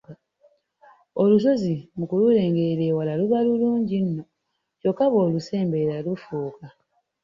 Olusozi mu kululengerera ewala luba lulungi nno, kyokka bw’olusemberera lufuuka!